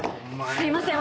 すいません。